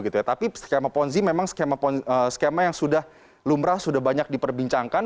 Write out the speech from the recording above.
tapi skema ponzi memang skema yang sudah lumrah sudah banyak diperbincangkan